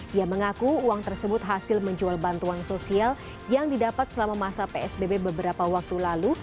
dia mengaku uang tersebut hasil menjual bantuan sosial yang didapat selama masa psbb beberapa waktu lalu